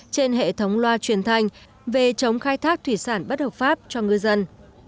trên hệ thống loa truyền thanh về chống khai thác thủy sản bất hợp pháp cho ngư dân